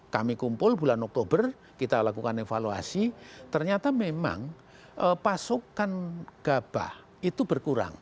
kami kumpul bulan oktober kita lakukan evaluasi ternyata memang pasokan gabah itu berkurang